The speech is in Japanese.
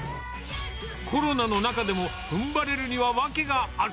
コロナの中でもふんばれるには訳がある。